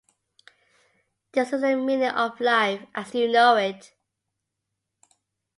This is the meaning of life as you know it.